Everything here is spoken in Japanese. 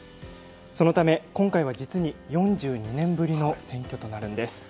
そのため、今回は実に４２年ぶりの選挙となるんです。